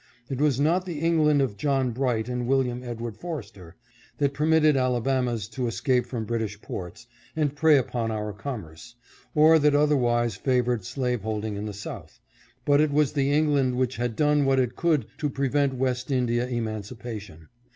It was not the England of John Bright and William Edward Forster that permitted Alabamas to WHAT ARE THE RESULTS OF EMANCIPATION. 609 escape from British ports, and prey upon our commerce, or that otherwise favored slaveholding in the South, but it was the England which had done what it could to pre vent West India emancipation.